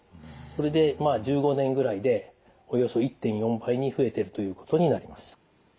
それで１５年ぐらいでおよそ１．４倍に増えてるということになります。